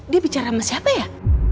dia bicara sama siapa ya